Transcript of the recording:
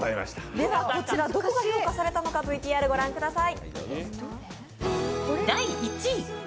ではこちらどこが評価されたのかＶＴＲご覧ください。